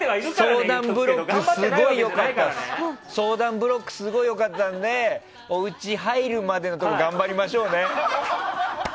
相談ブロックすごい良かったのでおうち入るまでのところ頑張りましょうね。